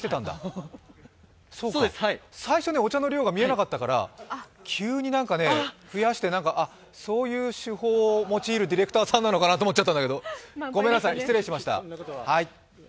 最初にお茶の量が見えなかったから急に増やしてあっ、そういう手法を用いるディレクターさんなんかなと思っちゃったんだけどごめんなさい、失礼しました。